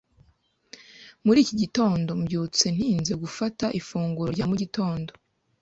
Muri iki gitondo, mbyutse ntinze gufata ifunguro rya mu gitondo.